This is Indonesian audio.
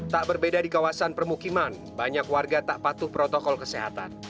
tak berbeda di kawasan permukiman banyak warga tak patuh protokol kesehatan